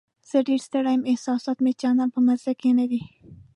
زه ډېره ستړې یم، احساسات مې چندان په مزه کې نه دي.